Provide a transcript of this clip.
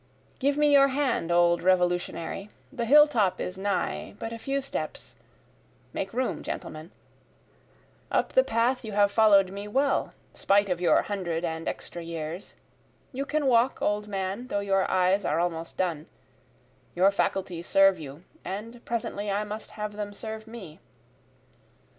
] Give me your hand old Revolutionary, The hill top is nigh, but a few steps, (make room gentlemen,) Up the path you have follow'd me well, spite of your hundred and extra years, You can walk old man, though your eyes are almost done, Your faculties serve you, and presently I must have them serve me.